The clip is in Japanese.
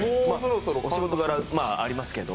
お仕事柄、ありますけど。